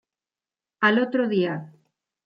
Al otro día.